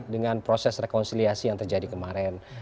dengan proses rekonsiliasi yang terjadi kemarin